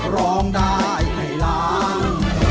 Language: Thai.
ร้องได้ให้ล้าน